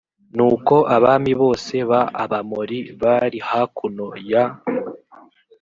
nuko abami bose b abamori bari hakuno ya